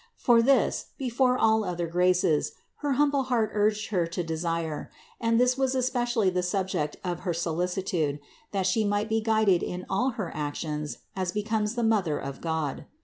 For this, before all other graces, Her humble heart urged Her to desire, and this was especially the subject of her solicitude, that She might be guided in all her actions as becomes the Mother of God.